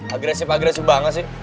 agresif agresif banget sih